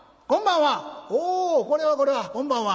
「おこれはこれはこんばんは」。